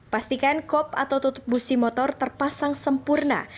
pastikan kop atau tutup busi motor terpasang sempurna